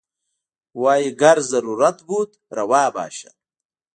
وايي ګر ضرورت بود روا باشد.